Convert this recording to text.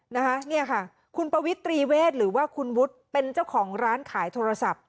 นะคะเนี่ยค่ะคุณปวิตรีเวทหรือว่าคุณวุฒิเป็นเจ้าของร้านขายโทรศัพท์